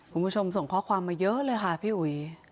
คุณผู้ชมส่งข้อความมาเยอะเลยค่ะพี่อุ๋ย